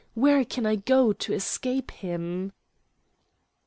Where can I go to escape him?"